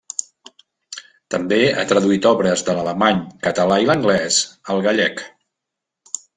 També ha traduït obres de l'alemany, català i l'anglès al gallec.